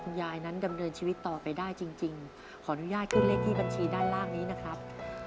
ขอบคุณมากคุณครอบครับ